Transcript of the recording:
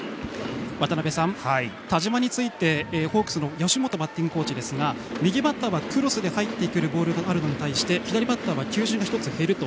田嶋について、オリックスの吉本バッティングコーチですが右バッターはクロスで入ってくるボールがあるのに対して左バッターは球種が１つ減ると。